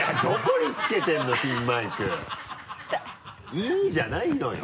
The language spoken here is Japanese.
「いぃ！」じゃないのよ。